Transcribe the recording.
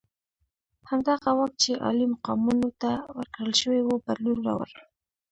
همدغه واک چې عالي مقامانو ته ورکړل شوی وو بدلون راوړ.